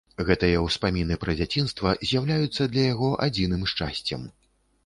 Гэтыя ўспаміны пра дзяцінства з'яўляюцца для яго адзіным шчасцем.